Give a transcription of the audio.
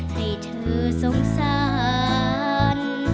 ให้เธอสงสาร